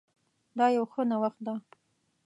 دا يو ښه نوښت ده